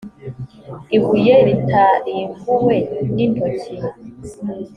ibuye ritarimbuwe n intoki